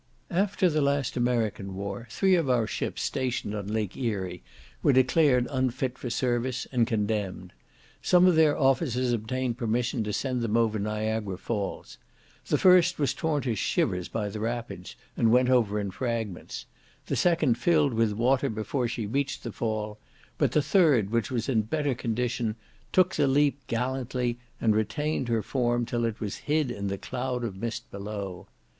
After the last American war, three of our ships stationed on Lake Erie were declared unfit for service, and condemned. Some of their officers obtained permission to send them over Niagara Falls. The first was torn to shivers by the rapids, and went over in fragments; the second filled with water before she reached the fall; but the third, which was in better condition, took the leap gallantly, and retained her form till it was hid in the cloud of mist below.